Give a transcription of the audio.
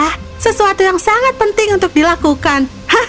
adalah sesuatu yang sangat penting untuk dilakukan